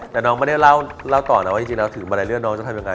แต่น้องไม่ได้เล่าต่อนะว่าจริงแล้วถึงมาลัยเลือดน้องจะทำยังไง